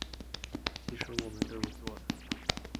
其实我们都有做了